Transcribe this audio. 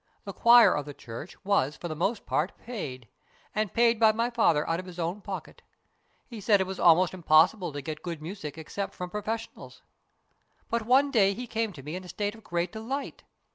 " The choir of the church was for the most part paid, and paid by my father out of his own pocket. He said it was almost impossible to get good music except from professionals. But one day he came to me in a state of great delight.